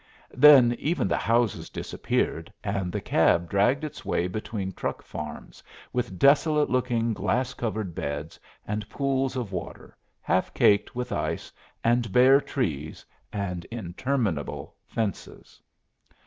Then even the houses disappeared, and the cab dragged its way between truck farms, with desolate looking glass covered beds, and pools of water, half caked with ice, and bare trees, and interminable fences.